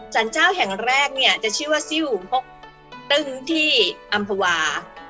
สรรพ์เจ้าแห่งแรกจะชื่อว่าซิ่วหกตึงที่อรมภาว่า